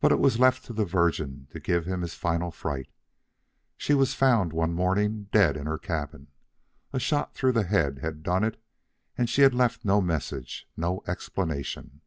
But it was left to the Virgin to give him his final fright. She was found one morning dead in her cabin. A shot through the head had done it, and she had left no message, no explanation.